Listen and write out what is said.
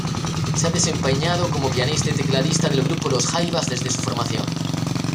Se ha desempeñado como pianista y tecladista del grupo Los Jaivas desde su formación.